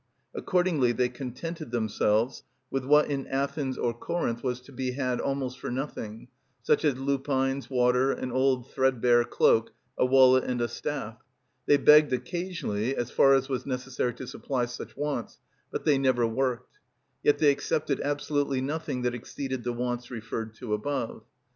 Accordingly they contented themselves with what in Athens or Corinth was to be had almost for nothing, such as lupines, water, an old threadbare cloak, a wallet, and a staff. They begged occasionally, as far as was necessary to supply such wants, but they never worked. Yet they accepted absolutely nothing that exceeded the wants referred to above.